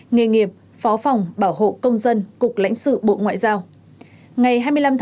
nghề nghiệp phó phòng bảo hộ công dân cục lãnh sự bộ ngoại giao